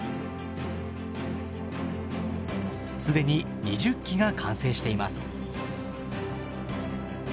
既に２０基が完成しています。